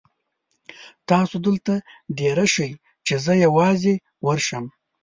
تاسو دلته دېره شئ چې زه یوازې ورشم.